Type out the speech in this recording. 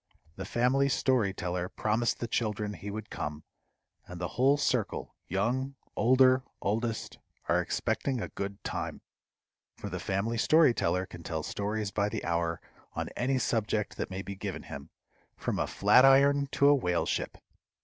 The Family Story Teller promised the children he would come, and the whole circle, young, older, oldest, are expecting a good time; for the Family Story Teller can tell stories by the hour on any subject that may be given him, from a flat iron to a whale ship.